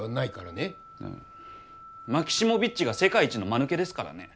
マキシモヴィッチが世界一のまぬけですからね。